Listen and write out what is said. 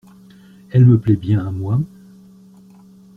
Elle me plaît bien à moi.